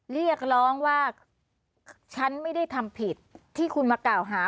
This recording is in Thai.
เรียกร้องว่าฉันไม่ได้ทำผิดที่คุณมากล่าวหา